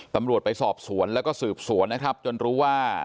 ตำรวจไปสอบสวนแล้วก็สืบสวนนะครับจนรู้ว่า